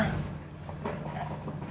mak di mana